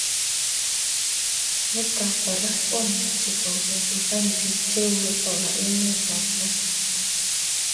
Nitok kora komuchi kopunguzan piik che uoe koba emet ab sang